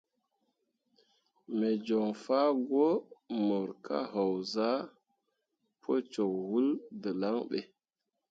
Me joŋ fah gwǝ mor ka haozah pǝ cok wul dǝlaŋ ɓe.